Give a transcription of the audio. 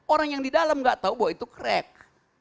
orang yang di dalam gak tahu bahwa itu crack